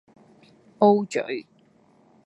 O 嘴